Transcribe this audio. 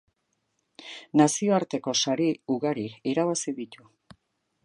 Nazioarteko sari ugari irabazi ditu.